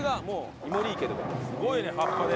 すごいね葉っぱで。